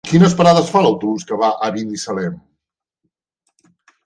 Quines parades fa l'autobús que va a Binissalem?